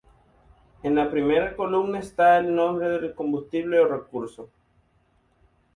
En la primera columna está el nombre del combustible o recurso.